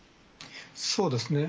そうですね。